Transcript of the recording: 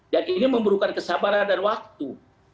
dan ini memerlukan kesabaran dan waktu